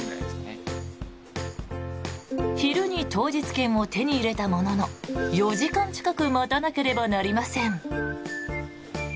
昼に当日券を手に入れたものの４時間近く待たなければなりません。